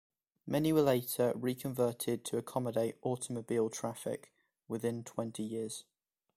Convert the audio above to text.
Many were later re-converted to accommodate automobile traffic within twenty years.